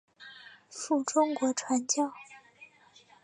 赴中国传教。